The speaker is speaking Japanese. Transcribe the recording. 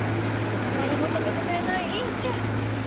誰も止めてくれない飲酒。